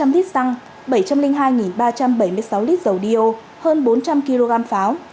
chín mươi bảy ba trăm linh lít xăng bảy trăm linh hai ba trăm bảy mươi sáu lít dầu đi ô hơn bốn trăm linh kg pháo